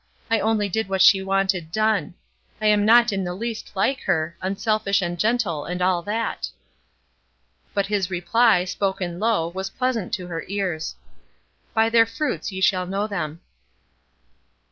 I only did what she wanted done. I am not in the least like her, unselfish and gentle and all that." But his reply, spoken low, was pleasant to her ears: "'By their fruits ye shall know them.'"